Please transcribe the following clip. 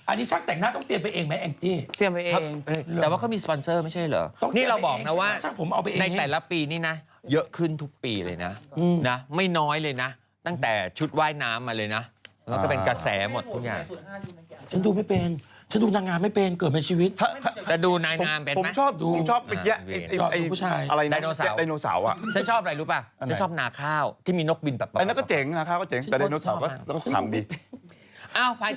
อันนี้ช่างแต่งหน้าต้องเตรียมไปเองไหมแอมจิ